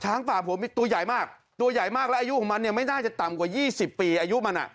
ป่าผมตัวใหญ่มากตัวใหญ่มากแล้วอายุของมันเนี่ยไม่น่าจะต่ำกว่า๒๐ปีอายุมันอ่ะ